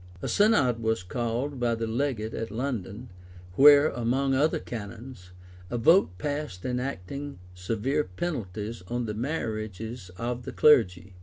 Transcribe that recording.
[] A synod was called by the legate at London; where, among other canons, a vote passed enacting severe penalties on the marriages of the clergy.